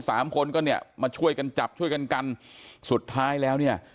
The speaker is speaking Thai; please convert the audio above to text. สามคนก็เนี่ยมาช่วยกันจับช่วยกันกันสุดท้ายแล้วเนี่ย